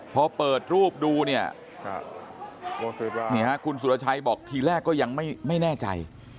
พอเปิดรูปดูเนี่ยคุณสุรชัยบอกทีแรกก็ยังไม่แน่ใจ